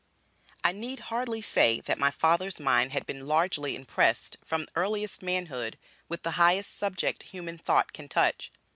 I need hardly say that my father's mind had been largely impressed, from earliest manhood, with the highest subject human thought can touch.